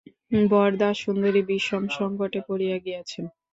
বরদাসুন্দরী বিষম সংকটে পড়িয়া গিয়াছেন।